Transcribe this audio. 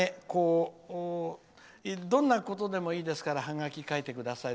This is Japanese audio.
どんなことでもいいですからハガキを書いてください。